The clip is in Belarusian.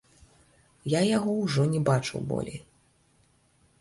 Я яго ўжо не бачыў болей.